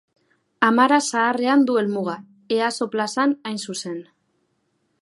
Amara Zaharrean du helmuga, Easo plazan hain zuzen.